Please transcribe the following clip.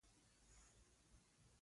• باران د زراعتي ځمکو لپاره حیاتي دی.